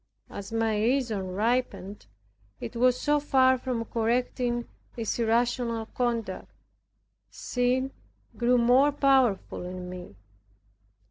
As my reason ripened, it was so far from correcting this irrational conduct. Sin grew more powerful in me.